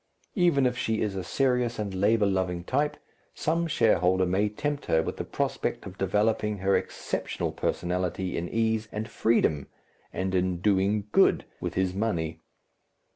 Even if she is a serious and labour loving type, some shareholder may tempt her with the prospect of developing her exceptional personality in ease and freedom and in "doing good" with his money.